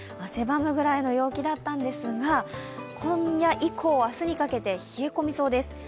汗ばむくらいの陽気だったんですが今夜以降、明日にかけて冷え込みそうです。